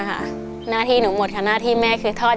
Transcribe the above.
หน้าทีหนูหมดหน้าที่แม่คือทอดงาน